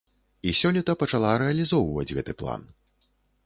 І сёлета пачала рэалізоўваць гэты план.